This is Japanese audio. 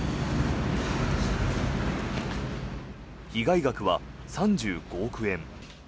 被害額は３５億円。